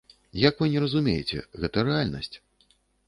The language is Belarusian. Як вы не разумееце, гэта рэальнасць.